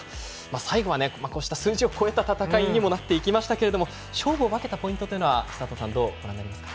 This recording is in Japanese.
最後は数字を超えた戦いにもなっていきましたけれど勝負を分けたポイントは寿人さん、どうお考えですか？